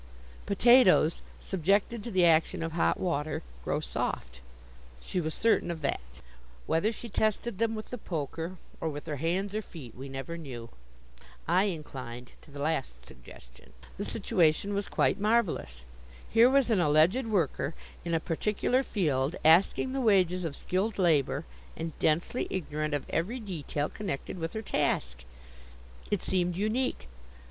Potatoes, subjected to the action of hot water, grow soft. She was certain of that. Whether she tested them with the poker, or with her hands or feet, we never knew. I inclined to the last suggestion. The situation was quite marvelous. Here was an alleged worker, in a particular field, asking the wages of skilled labor, and densely ignorant of every detail connected with her task. It seemed unique.